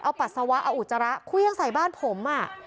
เอาปัสสาวะเอาอุจจาระเครื่องใส่บ้านผม